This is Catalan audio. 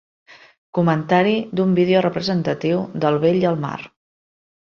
Comentari d'un vídeo representatiu de El vell i el mar.